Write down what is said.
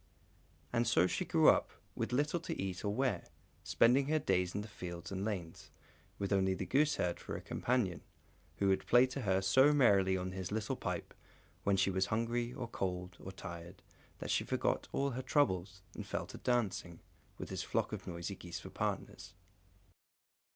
And so she grew up, with little to eat or wear, spending her days in the fields and lanes, with only the gooseherd for a companion, who would play to her so merrily on his little pipe, when she was hungry, or cold, or tired, that she forgot all her troubles, and fell to dancing, with his flock of noisy geese for partners.